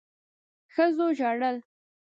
ښځو ژړل.